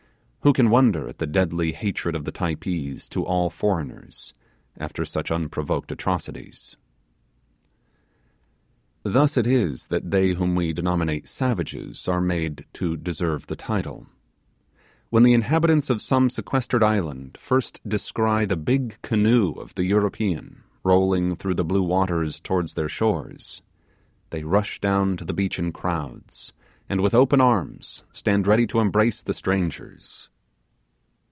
Who can wonder at the deadly hatred of the Typees to all foreigners after such unprovoked atrocities? Thus it is that they whom we denominate 'savages' are made to deserve the title. When the inhabitants of some sequestered island first descry the 'big canoe' of the European rolling through the blue waters towards their shores, they rush down to the beach in crowds, and with open arms stand ready to embrace the strangers.